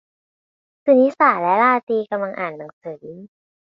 สุนิสาและราตรีกำลังอ่านหนังสือ